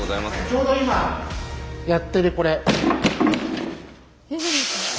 ちょうど今やってるこれ。